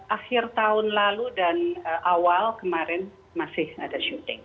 akhir tahun lalu dan awal kemarin masih ada syuting